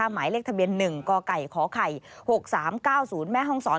หมายเลขทะเบียน๑กข๖๓๙๐แม่ฮองศร